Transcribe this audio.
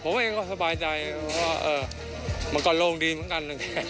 ผมเองก็สบายใจเพราะว่ามันก็โล่งดีเหมือนกัน